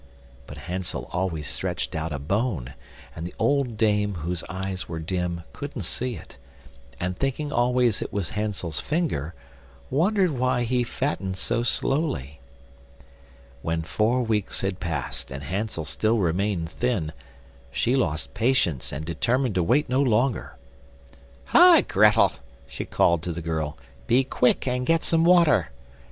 But Hansel always stretched out a bone, and the old dame, whose eyes were dim, couldn't see it, and thinking always it was Hansel's finger, wondered why he fattened so slowly. When four weeks had passed and Hansel still remained thin, she lost patience and determined to wait no longer. "Hi, Grettel," she called to the girl, "be quick and get some water.